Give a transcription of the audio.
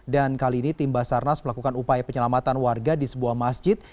dan kali ini tim basarnas melakukan upaya penyelamatan warga di sebuah masjid